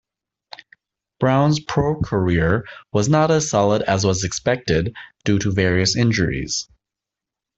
Brown's pro career was not as solid as was expected due to various injuries.